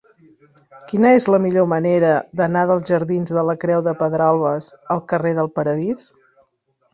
Quina és la millor manera d'anar dels jardins de la Creu de Pedralbes al carrer del Paradís?